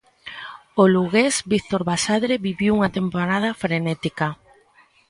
O lugués Víctor Basadre viviu unha temporada frenética.